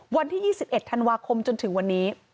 วันที่๒๑ธันวาคมจนถึงวันนี้